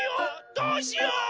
どうしよう！